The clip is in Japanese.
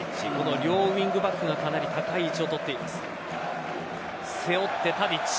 両ウイングバックがかなり高い位置を取っています。